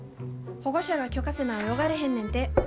保護者が許可せな泳がれへんねんて。